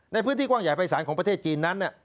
ในพื้นที่กว้างใหญ่ภายศาลของประเทศจีนนั้น